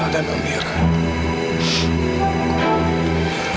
jadi aku biarkan kamu ikutkan aku